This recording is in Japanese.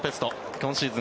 今シーズン